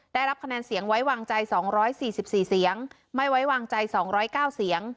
ได้รับคะแนนเสียงไว้วางใจสองร้อยสี่สิบสี่เสียงไม่ไว้วางใจสองร้อยเก้าเสียง